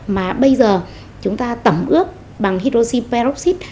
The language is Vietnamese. mà bây giờ chúng ta tẩm ướp bằng hydroxy peroxit